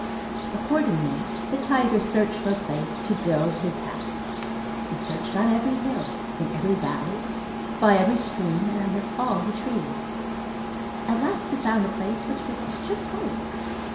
Accordingly the tiger searched for a place to build his house. He searched on every hill, in every valley, by every stream, and under all the trees. At last he found a place which was just right.